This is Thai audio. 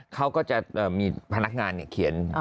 เขาก็จะมีพนักงานเขียน